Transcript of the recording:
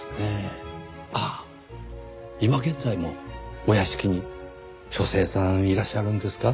あっ今現在もお屋敷に書生さんいらっしゃるんですか？